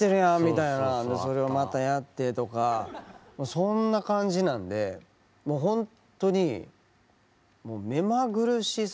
それをまたやってとかそんな感じなんでもうほんとに目まぐるしすぎて。